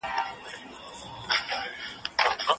افغانستان د بهرنیو وګړو د بې ځایه ځورولو ملاتړ نه کوي.